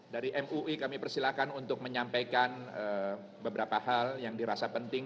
dari mui kami persilahkan untuk menyampaikan beberapa hal yang dirasa penting